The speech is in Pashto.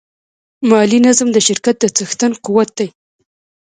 مالي نظم د شرکت د څښتن قوت دی.